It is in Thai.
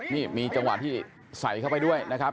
นี่มีจังหวะที่ใส่เข้าไปด้วยนะครับ